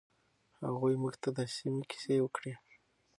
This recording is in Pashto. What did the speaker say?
هغوی موږ ته د سیمې کیسې وکړې.